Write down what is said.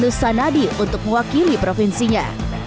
lusa nadi untuk mewakili provinsinya